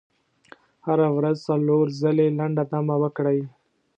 هره ورځ څلور ځلې لنډه دمه وکړئ.